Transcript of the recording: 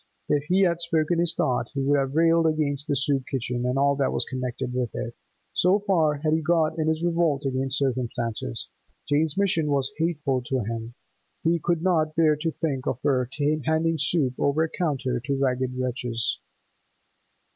If he had spoken his thought, he would have railed against the soup kitchen and all that was connected with it. So far had he got in his revolt against circumstances; Jane's 'mission' was hateful to him; he could not bear to think of her handing soup over a counter to ragged wretches.